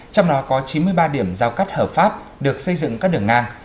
trong đó có chín mươi ba điểm giao cắt hợp pháp được xây dựng các đường ngang